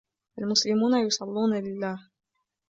المسلمون يصلّون لله.